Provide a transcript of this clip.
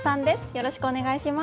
よろしくお願いします。